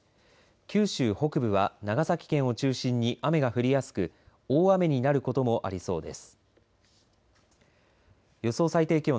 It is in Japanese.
九州北部は長崎県を中心に雨が降りやすく大雨になることもありそうです。